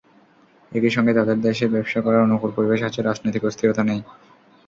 একই সঙ্গে তাদের দেশে ব্যবসা করার অনুকূল পরিবেশ আছে, রাজনৈতিক অস্থিরতা নেই।